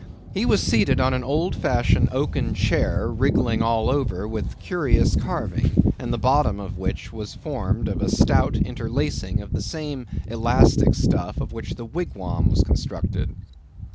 He was seated on an old fashioned oaken chair, wriggling all over with curious carving; and the bottom of which was formed of a stout interlacing of the same elastic stuff of which the wigwam was constructed.